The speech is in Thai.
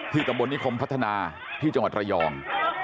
ตำบลนิคมพัฒนาที่จังหวัดระยอง